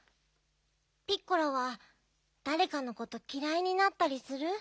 ピッコラはだれかのこときらいになったりする？